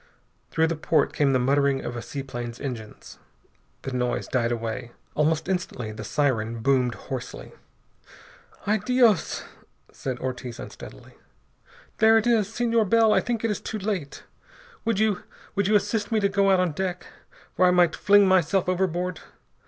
Through the port came the muttering of a seaplane's engines. The noise died away. Almost instantly the siren boomed hoarsely. "Ah, Dios!" said Ortiz unsteadily. "There it is! Senor Bell, I think it is too late. Would you would you assist me to go out on deck, where I might fling myself overboard?